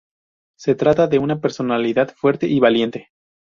Se trata de una personalidad fuerte y valiente.